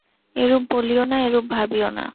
এরূপ বলিও না, এরূপ ভাবিও না।